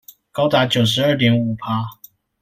高達九十二點五趴